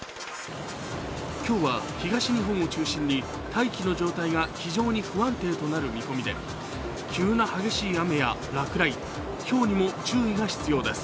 今日は東日本を中心に大気の状態が非常に不安定となる見込みで急な激しい雨や落雷、ひょうにも注意が必要です。